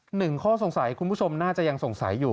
หนึ่งข้อสงสัยคุณผู้ชมน่าจะยังสงสัยอยู่